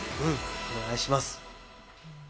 お願いします。